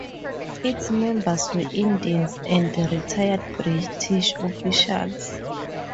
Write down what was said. Its members were Indians and retired British officials.